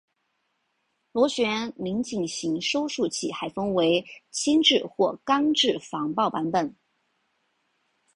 螺旋拧紧型收束器还分为铅制或钢制防爆版本。